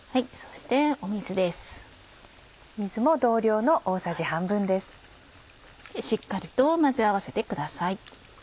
しっかりと混ぜ合わせてください。